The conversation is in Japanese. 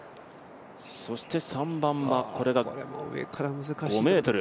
そして３番はこれが５ｍ。